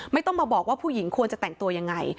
ไม่ต้องมาบอกว่าผู้หญิงควรจะแต่งตัวยังไง